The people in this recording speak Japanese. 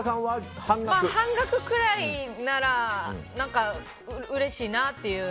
半額くらいならうれしいなっていう。